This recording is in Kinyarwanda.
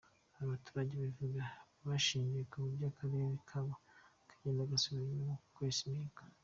Aba baturage babivuga bashingiye ku buryo Akarere kabo kagenda gasubira inyuma mu kwesa imihigo.